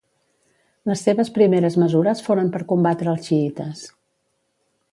Les seves primeres mesures foren per combatre als xiïtes.